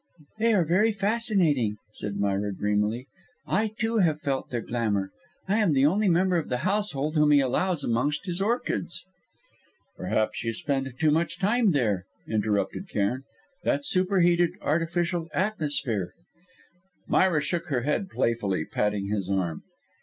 "They are very fascinating," said Myra dreamily, "I, too, have felt their glamour. I am the only member of the household whom he allows amongst his orchids " "Perhaps you spend too much time there," interrupted Cairn; "that superheated, artificial atmosphere " Myra shook her head playfully, patting his arm.